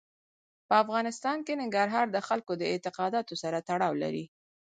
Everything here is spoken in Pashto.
په افغانستان کې ننګرهار د خلکو د اعتقاداتو سره تړاو لري.